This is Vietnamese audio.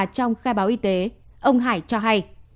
trong khai báo y tế ông hải cho hay